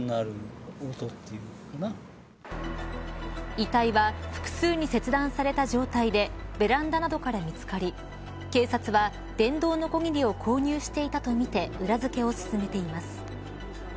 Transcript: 遺体は複数に切断された状態でベランダなどから見つかり警察は電動のこぎりを購入していたとみて裏付けを進めています。